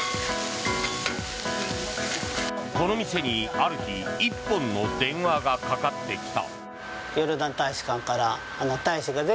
この店にある日１本の電話がかかってきた。